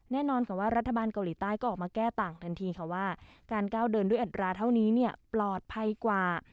แน่นอนกับว่ารัฐบาลเกาหลีใต้ก็ออกมาแก้ต่างทันทีค่ะว่าการก้าวเดินด้วยอัตราเท่านี้เนี่ยปลอดภัยกว่า